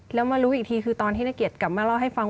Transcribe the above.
แล้วมารู้อีกทีคือตอนที่นักเกียจกลับมาเล่าให้ฟัง